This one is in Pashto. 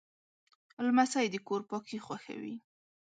لمسی د کور پاکي خوښوي.